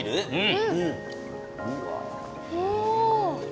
お。